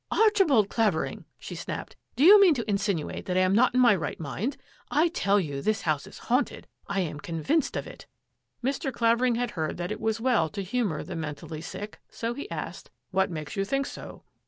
" Archibald Clavering," she snapped, " do you mean to insinuate that I am not in my right mind? I tell you this house is haunted. I am convinced of it." Mr. Clavering had heard that it was well to humour the mentally sick, so he asked, " What makes you think so?